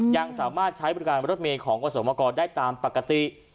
ยังสามารถใช้บริการรถเมย์ของกสมกรได้ตามปกติ